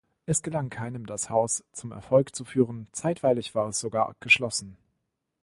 Es gelang keinem, das Haus zum Erfolg zu führen, zeitweilig war es sogar geschlossen.